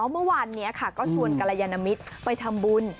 เมื่อวานนี้ค่ะก็ชวนกรยานมิตรไปทำบุญ